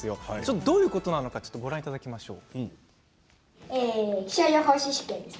どういうことなのかご覧いただきましょう。